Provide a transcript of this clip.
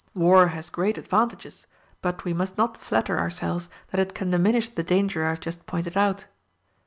War has great advantages, but we must not flatter ourselves that it can diminish the danger I have just pointed out.